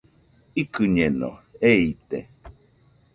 Ikɨñeno, eite